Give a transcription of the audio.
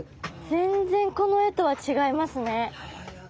全然この絵とは違いますね！